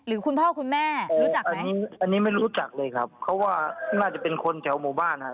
คุณพ่อคุณแม่รู้จักอันนี้อันนี้ไม่รู้จักเลยครับเพราะว่าน่าจะเป็นคนแถวหมู่บ้านฮะ